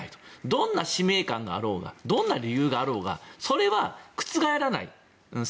どんな使命感があろうがどんな理由があろうがそれは覆らない。